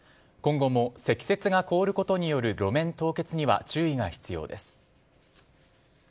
今後も積雪が凍ることによる路面凍結には注意が必要です。